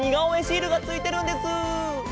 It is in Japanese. シールがついてるんです。